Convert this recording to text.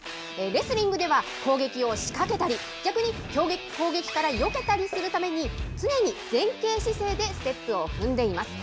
レスリングでは攻撃を仕掛けたり、逆に攻撃からよけたりするために、常に前傾姿勢でステップを踏んでいます。